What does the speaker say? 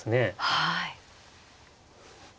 はい。